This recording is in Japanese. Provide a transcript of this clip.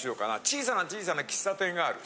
小さな小さな喫茶店がある。